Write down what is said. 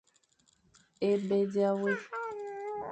É be dia wé,